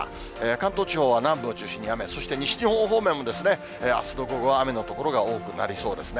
関東地方は南部を中心に雨、そして西日本方面も、あすの午後は雨の所が多くなりそうですね。